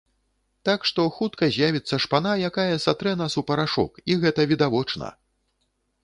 Так што, хутка з'явіцца шпана, якая сатрэ нас у парашок, і гэта відавочна!